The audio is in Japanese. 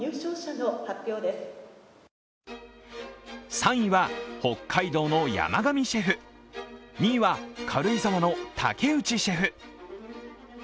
３位は北海道の山上シェフ、２位は軽井沢の竹内シェフ。